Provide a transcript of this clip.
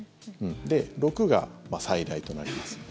６が最大となります。